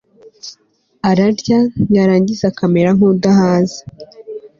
ararya yarangiza akemera nkudahaze